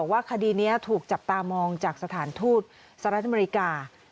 ว่าคดีนี้ถูกจับตามองจากสถานทูตสหรัฐอเมริกา